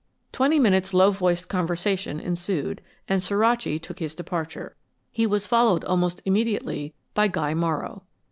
Twenty minutes' low voiced conversation ensued, and Suraci took his departure. He was followed almost immediately by Guy Morrow.